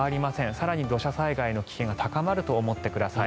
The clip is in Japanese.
更に土砂災害の危険が高まると思ってください。